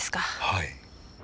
はい。